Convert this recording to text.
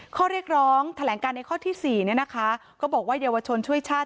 ข้อเรียกร้องแถลงการในข้อที่๔เนี่ยนะคะก็บอกว่าเยาวชนช่วยชาติ